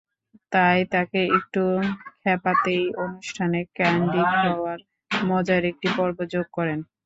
তাই তাঁকে একটু খ্যাপাতেই অনুষ্ঠানে ক্যান্ডি খাওয়ার মজার একটি পর্ব যোগ করেন।